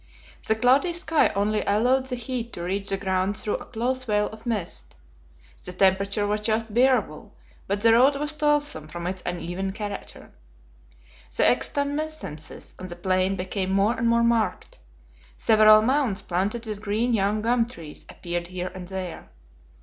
The cloudy sky only allowed the heat to reach the ground through a close veil of mist. The temperature was just bearable, but the road was toilsome from its uneven character. The extumescences on the plain became more and more marked. Several mounds planted with green young gum trees appeared here and there.